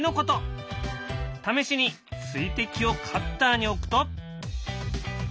試しに水滴をカッターに置くと。